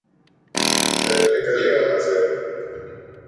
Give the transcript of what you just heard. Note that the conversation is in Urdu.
چل نکل یہا سے ـ